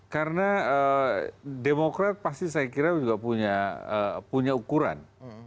karena demokrat pasti saya kira juga punya ukuran